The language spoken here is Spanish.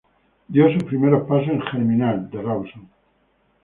Dio sus primeros pasos en Germinal de Rawson.